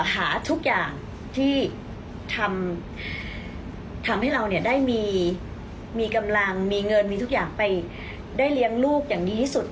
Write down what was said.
หาทุกอย่างที่ทำให้เราเนี่ยได้มีกำลังมีเงินมีทุกอย่างไปได้เลี้ยงลูกอย่างดีที่สุด